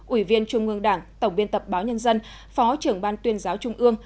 ủy viên trung ương đảng tổng biên tập báo nhân dân phó trưởng ban tuyên giáo trung ương